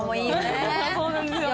そうなんですよね。